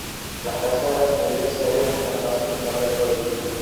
Las casas de la señoría se hallan en la plaza central del pueblo.